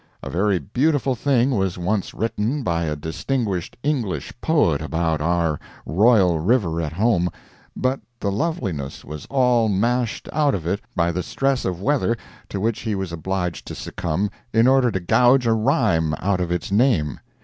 A very beautiful thing was once written by a distinguished English poet about our royal river at home, but the loveliness was all mashed out of it by the stress of weather to which he was obliged to succumb in order to gouge a rhyme out of its name.